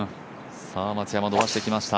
松山、伸ばしてきました。